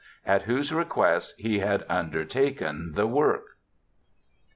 at whose request he had undertaken the work.